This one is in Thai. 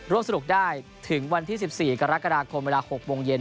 ร่วมสนุกได้ถึง๑๔กรกฎาคม๖โมงเย็น